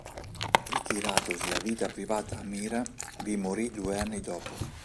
Ritiratosi a vita privata a Mira, vi morì due anni dopo.